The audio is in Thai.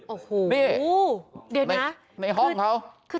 โอ้โหนี่เดี๋ยวดูนะในห้องเขา